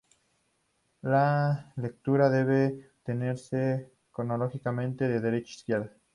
La lectura debe entenderse cronológicamente de derecha a izquierda.